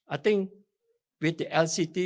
saya pikir dengan lct